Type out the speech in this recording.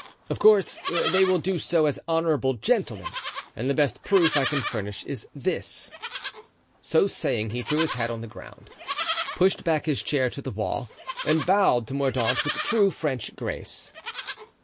Of course they will do so as honorable gentlemen, and the best proof I can furnish is this——" So saying, he threw his hat on the ground, pushed back his chair to the wall and bowed to Mordaunt with true French grace.